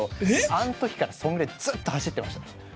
あの時からそのぐらいずっと走ってました。